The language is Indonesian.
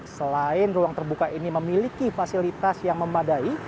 selain ruang terbuka ini memiliki fasilitas yang memadai